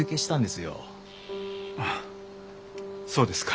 あそうですか。